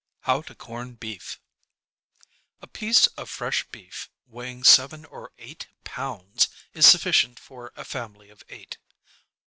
=How to Corn Beef= A piece of fresh beef weighing seven or eight pounds is sufficient for a family of eight.